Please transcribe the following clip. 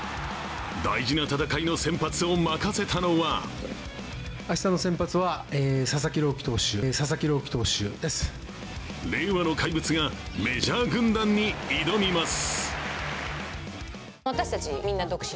大事な戦いの先発を任せたのは令和の怪物がメジャー軍団に挑みます。